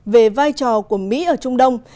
về vai trò của mỹ ở trung đông